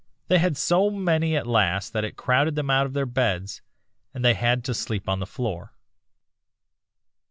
They had so many at last that it crowded them out of their bed, and they had to sleep on the floor.